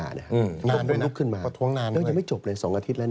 นานด้วยนะประท้วงนานเลยมันลุกขึ้นมายังไม่จบเลย๒อาทิตย์แล้ว